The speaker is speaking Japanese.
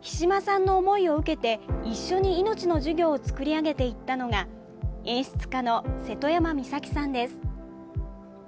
比島さんの思いを受けて、一緒に命の授業を作り上げていったのが演出家の瀬戸山美咲さんです。